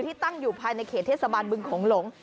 ตั้งอยู่ภายในเขตเทศบาลบึงโขงหลง